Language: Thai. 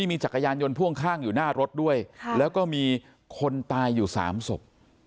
มีจักรยานยนต์พ่วงข้างอยู่หน้ารถด้วยแล้วก็มีคนตายอยู่๓ศพ